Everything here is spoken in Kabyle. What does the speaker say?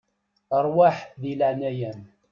Ṛwaḥ di leƐnaya-m.